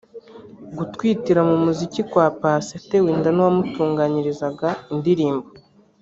gutwitira mu muziki kwa Paccy atewe inda n’uwamutunganyizaga indirimbo